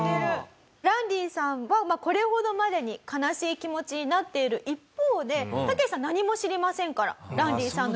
ランディさんはこれほどまでに悲しい気持ちになっている一方でタケシさん何も知りませんからランディさんのギターなんてね。